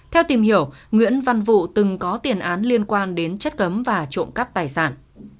theo tìm hiểu nguyễn văn vụ từng có tiền án liên quan đến chất cấm và trộm cắp tài sản